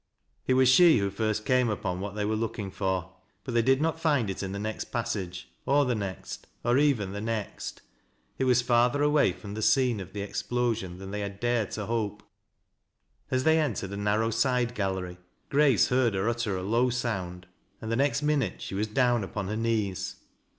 It was she who first came upon what they were looking for; but they did not find it in the next passage, cr the next, or even the next. It was farther away from the scene of the explosion than they had dared to hope. As they cntjered a narrow side gallery, Grace heard her utter g \o''\ sound, and the next minute she was down upon hoi knees.